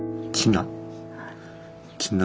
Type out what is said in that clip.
ちな。